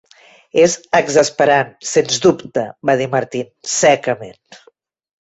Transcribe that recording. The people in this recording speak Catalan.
"És exasperant, sens dubte," va dir Martin, secament.